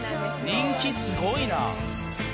人気すごいな。